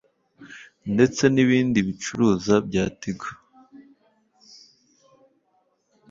ndetse n’ibindi bicuruza bya Tigo